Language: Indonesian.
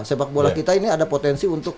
sepak bola kita ini ada potensi untuk